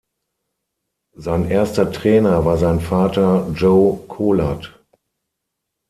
Sein erster Trainer war sein Vater Joe Kolat.